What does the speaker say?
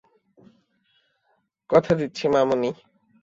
কথা দিচ্ছি, মামুনি।